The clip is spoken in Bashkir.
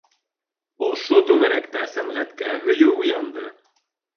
Ошо түңәрәктә сәнғәткә һөйөү уянды.